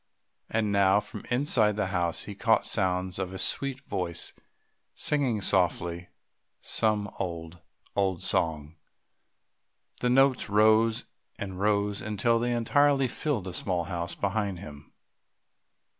And now from inside the house he caught sounds of a sweet voice singing softly some old, old song. The notes rose and rose until they entirely filled the small house behind him.